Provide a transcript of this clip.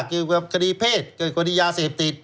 คดีเพศเกี่ยวกับแย่เซฝติส